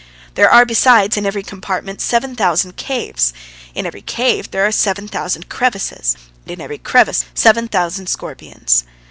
There are, besides, in every compartment seven thousand caves, in every cave there are seven thousand crevices, and in every crevice seven thousand scorpions.